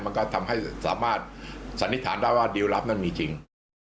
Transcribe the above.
มันก็ทำให้สามารถสันนิษฐานได้ว่าดิวลลับนั้นมีจริง